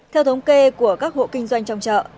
theo thống kê của các hộ kinh doanh trong chợ